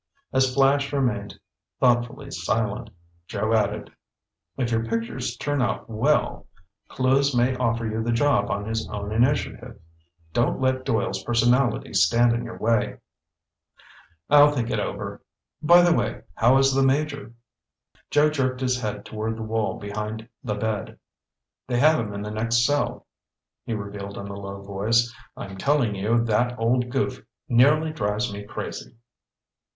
As Flash remained thoughtfully silent, Joe added: "If your pictures turn out well, Clewes may offer you the job on his own initiative. Don't let Doyle's personality stand in your way." "I'll think it over. By the way, how is the Major?" Joe jerked his head toward the wall behind the bed. "They have him in the next cell," he revealed in a low voice. "I'm telling you that old goof nearly drives me crazy."